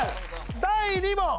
第２問。